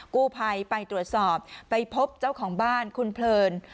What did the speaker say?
กู้ภัยไปตรวจสอบไปพบเจ้าของบ้านคุณเพลิน